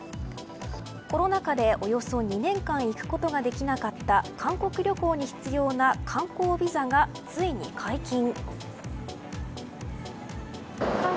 コロナ禍で、およそ２年間行くことができなかった韓国旅行に必要な観光ビザがついに解禁。